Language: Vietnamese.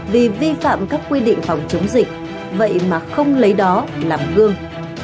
vì vi phạm các quy định phòng chống dịch vậy mà không lấy đó làm gương